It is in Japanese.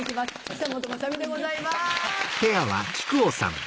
久本雅美でございます。